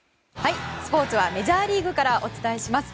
スポーツはメジャーリーグからお伝えします。